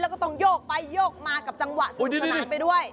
แล้วก็ต้องโยกไปโยกมากับจังหวะสนุกสนานไปด้วย